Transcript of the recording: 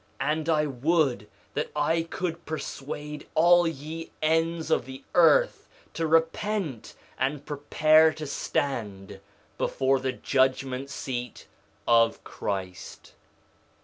3:22 And I would that I could persuade all ye ends of the earth to repent and prepare to stand before the judgment seat of Christ.